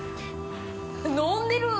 ◆飲んでる。